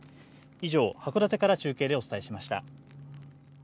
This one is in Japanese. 以上、函館から中継でお伝えしました。